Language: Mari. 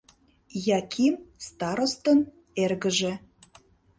Яким — старостын эргыже.